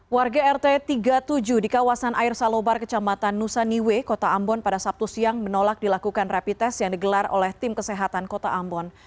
warga rt tiga puluh tujuh di kawasan air salobar kecamatan nusaniwe kota ambon pada sabtu siang menolak dilakukan rapid test yang digelar oleh tim kesehatan kota ambon